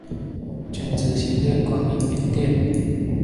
捐资新建观音殿。